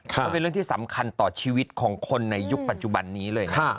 ก็เป็นเรื่องที่สำคัญต่อชีวิตของคนในยุคปัจจุบันนี้เลยนะ